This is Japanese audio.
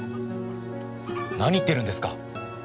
何言ってるんですか。